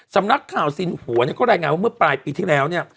สำนักข่าวสินหัวก็ได้งานว่าเมื่อปลายปีที่แล้ว